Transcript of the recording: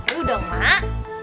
baru dong mak